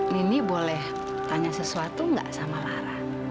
nini boleh tanya sesuatu nggak sama lara